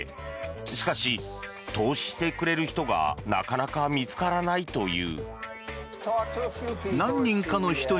しかし、投資してくれる人がなかなか見つからないという。